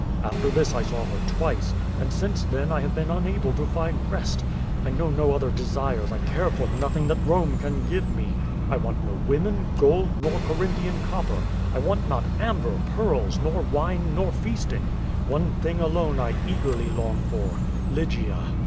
After this I saw her twice, and since then I have been unable to find rest, I know no other desires, I care for nothing that Rome can give me, I want no women, gold, nor Corinthian *^ copper, I want not amber, pearls, nor wine, nor feasting. One tthing alone I eagerly long for: Lygia.